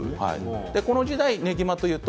この時代ねぎまというと。